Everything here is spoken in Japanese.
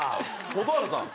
蛍原さん。